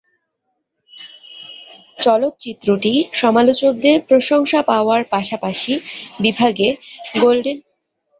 চলচ্চিত্রটি সমালোচকদের প্রশংসা পাওয়ার পাশাপাশি বিভাগে গোল্ডেন গ্লোব পুরস্কারের জন্যে এবং হিসেবে মনোনীত হয়েছে।